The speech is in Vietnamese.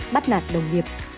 bắt nạt đồng nghiệp